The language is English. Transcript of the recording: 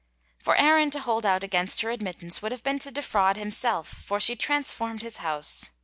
For Aaron to hold out against her admittance would have been to defraud himself, for she transformed his house.